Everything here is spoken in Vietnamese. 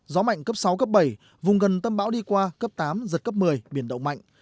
gió mạnh cấp sáu cấp bảy vùng gần tâm bão đi qua cấp tám giật cấp một mươi biển động mạnh